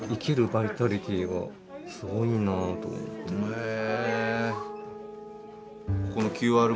へえ！